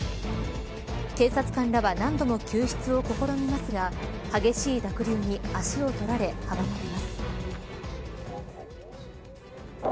警察官らは何度も救出を試みますが激しい濁流に足を取られ阻まれます。